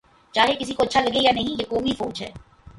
چاہے کسی کو اچھا لگے یا نہیں، یہ قومی فوج ہے۔